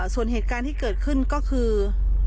ส่วนเหตุการณ์ที่เกิดขึ้นก็คือ